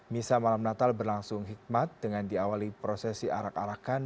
misa malam natal berlangsung hikmat dengan diawali prosesi arak arakan